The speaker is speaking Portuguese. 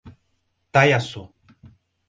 Taiaçu